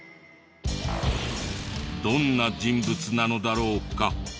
どんな人物なのだろうか？